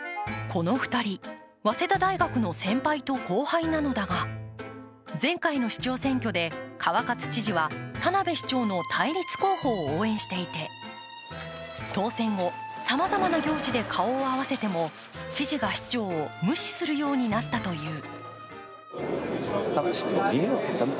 この２人、早稲田大学の先輩と後輩なのだが、前回の市長選挙で川勝知事は田辺市長の対立候補を応援していて、当選後、さまざまな行事で顔を合わせても知事が市長を無視するようになったという。